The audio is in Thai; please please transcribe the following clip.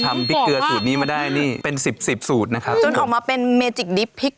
ไม่เผ็ดเกินไม่หวานเกินมันกระแบงเบียด